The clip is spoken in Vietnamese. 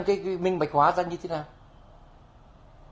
cái minh bạch hóa ra như thế nào